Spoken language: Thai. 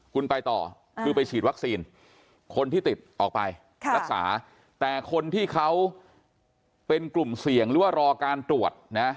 คุณไปต่อคือไปฉีดวัคซีนคนที่ติดออกไปรักษาแต่คนที่เขาเป็นกลุ่มเสี่ยงหรือว่ารอการตรวจนะ